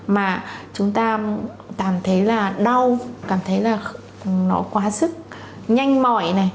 mà chúng ta cảm thấy là đau cảm thấy là nó quá sức nhanh mỏi này